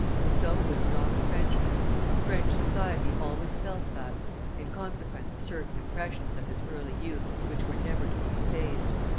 Rousseau was not a Frenchman: French society always felt that, in consequence of certain impressions of his early youth which were never to be effaced.